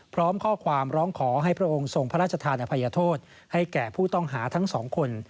พร้อมข้อความร้องขอให้พระองค์ทรงพระราชธานอภัยโทษให้แก่ผู้ต้องหาทั้งสองคน